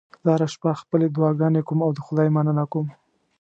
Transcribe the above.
زه هره شپه خپلې دعاګانې کوم او د خدای مننه کوم